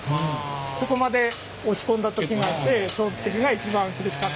そこまで落ち込んだ時があってその時が一番苦しかったです。